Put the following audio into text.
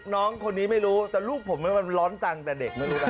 น้องคนนี้ไม่รู้แต่ลูกผมมันร้อนเงินแต่เด็ก